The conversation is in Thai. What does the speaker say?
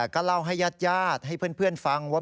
ก็เล่าให้ญาติให้เพื่อนฟังว่า